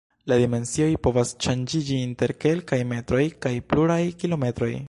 La dimensioj povas ŝanĝiĝi inter kelkaj metroj kaj pluraj kilometroj.